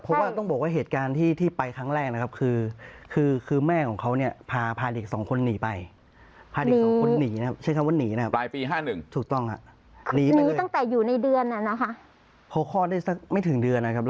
เพราะข้าที่สองคุณหนีนะครับ